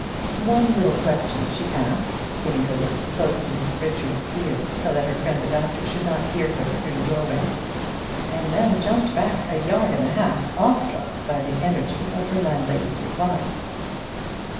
One little question she asked, putting her lips close to Mrs Richards' ear so that her friend the doctor should not hear her through the doorway, and then jumped back a yard and a half, awe struck by the energy of her landlady's reply.